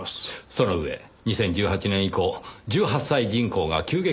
その上２０１８年以降１８歳人口が急激に減少していきます。